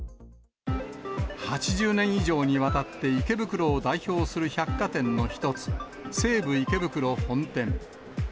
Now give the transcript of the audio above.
８０年以上にわたって、池袋を代表する百貨店の一つ、西武池袋本店。